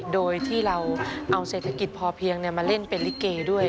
โดยที่เราเอาเศรษฐกิจพอเพียงมาเล่นเป็นลิเกด้วย